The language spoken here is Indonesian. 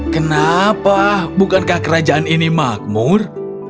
kenapa bukankah kerajaan ini makmur